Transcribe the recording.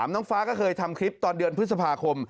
น้องฟ้าก็เคยทำคลิปตอนเดือนพฤษภาคม